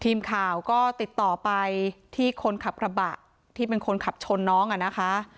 ทีมข่าวก็ติดต่อไปที่คนขับกระบะที่เป็นคนขับชนน้องอ่ะนะคะ